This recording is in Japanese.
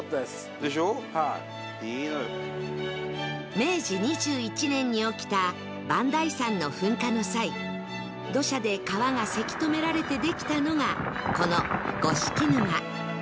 明治２１年に起きた磐梯山の噴火の際土砂で川がせき止められてできたのがこの五色沼